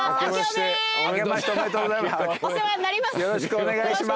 お世話になります。